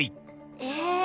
え！